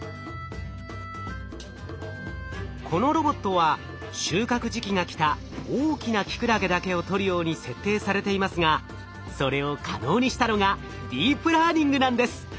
このロボットは収穫時期がきた大きなキクラゲだけを採るように設定されていますがそれを可能にしたのがディープラーニングなんです。